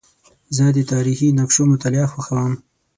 زه د تاریخي نقشو مطالعه خوښوم.